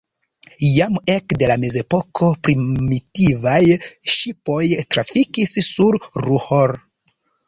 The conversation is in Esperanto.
Jam ekde la mezepoko primitivaj ŝipoj trafikis sur Ruhr.